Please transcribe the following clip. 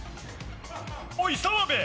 おい澤部！